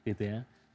tapi mereka harus ada